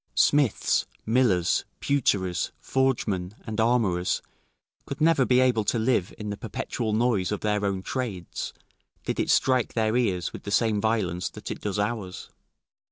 ] Smiths, millers, pewterers, forgemen, and armourers could never be able to live in the perpetual noise of their own trades, did it strike their ears with the same violence that it does ours.